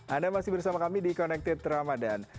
anda masih bersama kami di connected ramadhan